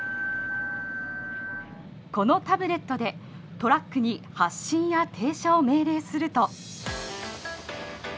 このタブレットでトラックに発進や停車を命令すると。